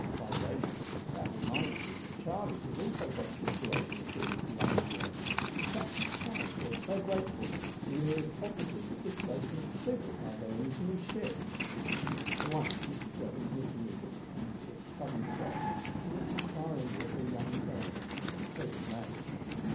By the way, mother, that reminds me that Charlie has also got a situation through this lucky wreck, for Captain Stride feels so grateful that he has offered him the situation of supercargo in his new ship." For once Mrs Leather's knitting needles came to a sudden stop, and she looked inquiringly at her young friend. So did May.